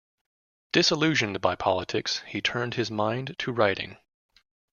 Disillusioned by politics, he turned his mind to writing.